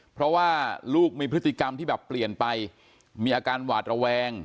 เพราะว่าลูกมีพฤติกรรมที่แบบเปลี่ยนไปมีอาการหวาดระแวง